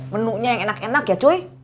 menunya yang enak enak ya joy